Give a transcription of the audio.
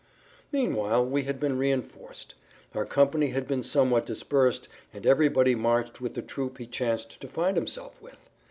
Meanwhile we had been reënforced. Our company had been somewhat dispersed, and everybody marched with the troop he chanced to find himself with.